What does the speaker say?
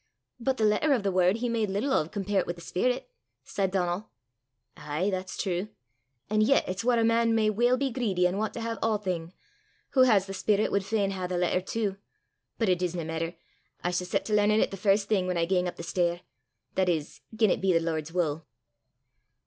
"But the letter o' the word he made little o' comparet wi' the speerit!" said Donal. "Ay, that's true! an' yet it's whaur a man may weel be greedy an' want to hae a'thing: wha has the speerit wad fain hae the letter tu! But it disna maitter; I s' set to learnin' 't the first thing whan I gang up the stair that is, gien it be the Lord's wull."